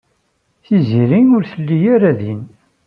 Tiziri ur telli ara din.